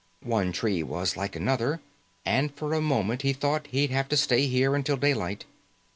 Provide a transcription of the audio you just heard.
One tree was like another, and for a moment he thought he'd have to stay here until daylight.